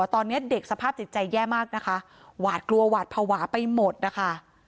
ตอนนี้เด็กสภาพจิตใจแย่มากนะคะหวาดกลัวหวาดภาวะไปหมดนะคะ